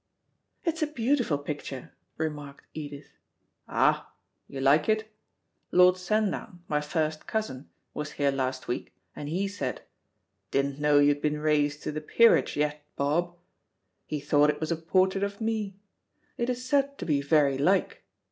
"It's a beautiful picture," remarked Edith. "Ah, you like it? Lord Sandown, my first cousin, was here last week, and he said, 'Didn't know you'd been raised to the Peerage yet, Bob.' He thought it was a portrait of me. It is said to be very like.